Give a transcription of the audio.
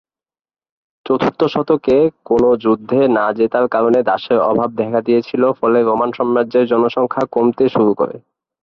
চতুর্থ শতকে কোন যুদ্ধে না জেতার কারণে দাসের অভাব দেখা দিয়েছিল ফলে রোমান সম্রাজ্যের জনসংখ্যা কমতে শুরু করে।